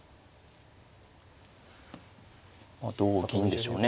まあ同銀でしょうね。